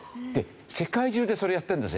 世界中でそれやってるんですよ。